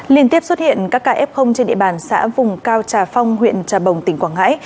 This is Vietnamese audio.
liên tiếp xuất hiện các ca f trên địa bàn xã vùng cao trà phong huyện trà bồng tỉnh quảng ngãi